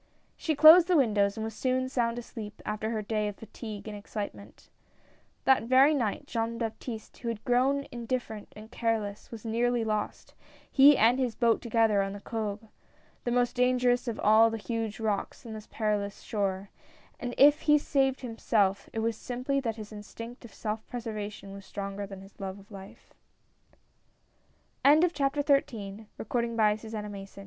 She closed the windows, and was soon sound asleep after her day of fatigue and excitement. That very night Jean Baptiste, who had grown indif ferent and careless, was nearly lost — he and his boat together — on the Cogue, the most dangerous of all the huge rocks on this perilous shore — and if he saved himself, it was simply that his instinct of self preserva tion was stronger than his love of li